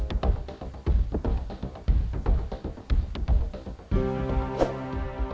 saya akan berhenti